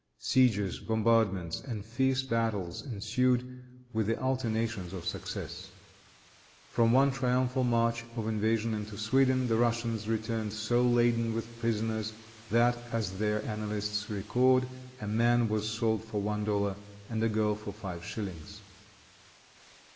Sieges, bombardments and fierce battles ensued, with the alternations of success. From one triumphal march of invasion into Sweden, the Russians returned so laden with prisoners, that, as their annalists record, a man was sold for one dollar, and a girl for five shillings.